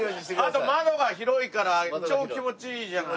あと窓が広いから超気持ちいいじゃない。